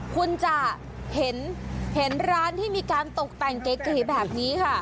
คุณจะเห็นร้านที่มีการตกแต่งเก๋แบบนี้ค่ะ